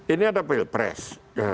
ini ada pilpres